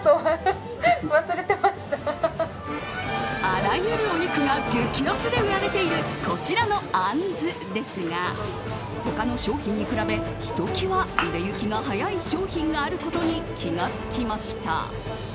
あらゆるお肉が激安で売られているこちらのあんずですが他の商品に比べひと際売れ行きが早い商品があることに気が付きました。